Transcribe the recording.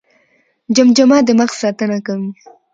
جمجمه د مغز ساتنه کوي